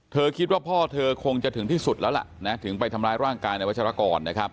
เธอคิดว่าพ่อเธอคงจะถึงที่สุดแล้วล่ะถึงไปทำร้ายร่างกายนายวัชรากร